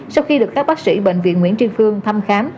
sau khi được các bác sĩ bệnh viện nguyễn tri phương thăm khám